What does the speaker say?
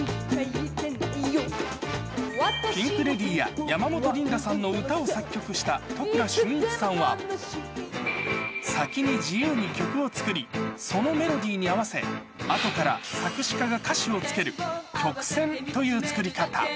ピンク・レディーや、山本リンダさんの歌を作曲した都倉俊一さんは、先に自由に曲を作り、そのメロディーに合わせ、あとから作詞家が歌詞をつける、曲先という作り方。